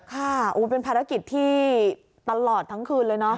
ค่ะเป็นภารกิจที่ตลอดทั้งคืนเลยเนาะ